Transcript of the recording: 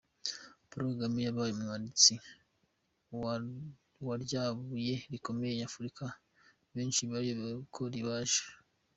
Paul Kagame yabaye umwubatsi wa rya buye rikomeza imfuruka benshi bayobewe uko ribaje